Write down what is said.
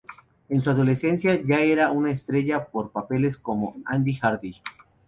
En su adolescencia ya era una estrella por papeles como Andy Hardy.